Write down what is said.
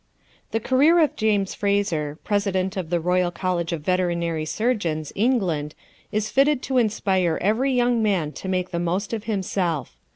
The career of James Fraser, President of the Royal College of Veterinary Surgeons, England, is fitted to inspire every young man to make the most of himself.